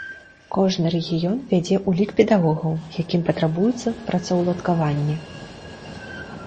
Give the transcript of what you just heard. Кожны рэгіён вядзе ўлік педагогаў, якім патрабуецца працаўладкаванне.